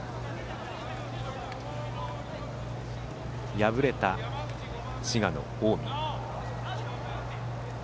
敗れた滋賀の近江。